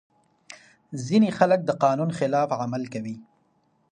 ځينې خلګ د قانون خلاف عمل کوي.